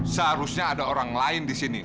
seharusnya ada orang lain di sini